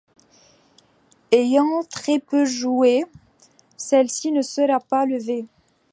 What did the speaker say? Ayant très peu joué, celle-ci ne sera pas levée.